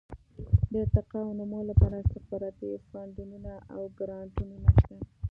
د ارتقاء او نمو لپاره استخباراتي فنډونه او ګرانټونه شته.